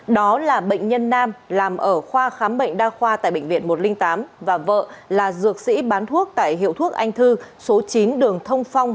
đó là bệnh nhân nam làm ở khoa khám bệnh đa khoa tại bệnh viện một trăm linh tám và vợ là dược sĩ bán thuốc tại hiệu thuốc anh thư số chín đường thông phong